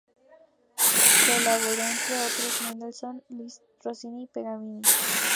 Colaboró entre otros con Mendelssohn, Liszt, Rossini y Paganini.